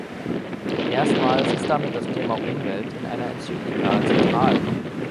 Erstmals ist damit das Thema Umwelt in einer Enzyklika zentral.